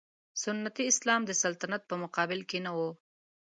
سنتي اسلام د سلطنت په مقابل کې نه و.